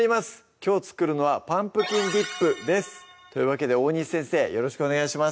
きょう作るのは「パンプキンディップ」ですというわけで大西先生よろしくお願いします